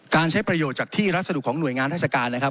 ใช้ประโยชน์จากที่รัสดุของหน่วยงานราชการนะครับ